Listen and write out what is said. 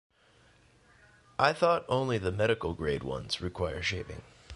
I thought only the medical grade ones require shaving